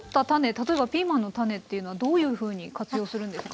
例えばピーマンの種っていうのはどういうふうに活用するんですか？